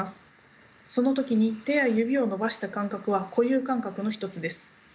その時に手や指を伸ばした感覚は固有感覚の一つです。